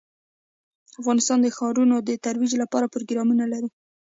افغانستان د ښارونه د ترویج لپاره پروګرامونه لري.